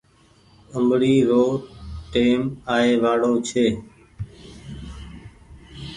آمبڙي رو ٽئيم آئي وآڙو ڇي۔